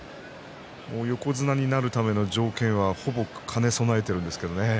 横綱になるための条件はほぼ兼ね備えているんですけどね。